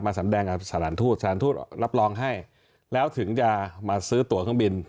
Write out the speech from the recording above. สำแดงกับสถานทูตสถานทูตรับรองให้แล้วถึงจะมาซื้อตัวเครื่องบิน